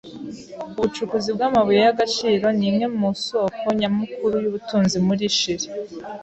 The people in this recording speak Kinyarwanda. Ubucukuzi bw'amabuye y'agaciro ni imwe mu soko nyamukuru y'ubutunzi muri Chili.